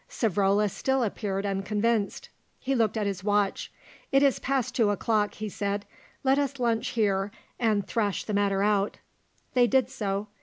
Savrola still appeared unconvinced; he looked at his watch. "It is past two o'clock," he said. "Let us lunch here and thrash the matter out." They did so.